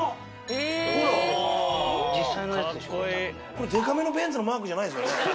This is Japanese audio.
これでかめのベンツのマークじゃないですよね？